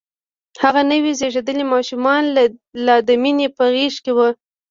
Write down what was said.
هغه نوی زيږدلی ماشوم لا د مينې په غېږ کې و.